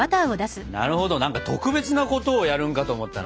なるほど何か特別なことをやるんかと思ったな。